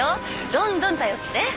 どんどん頼って。